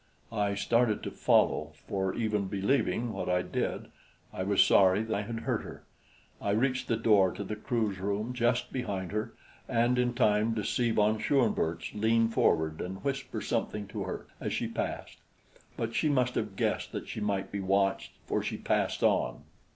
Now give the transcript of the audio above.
I started to follow, for even believing what I did, I was sorry that I had hurt her. I reached the door to the crew's room just behind her and in time to see von Schoenvorts lean forward and whisper something to her as she passed; but she must have guessed that she might be watched, for she passed on.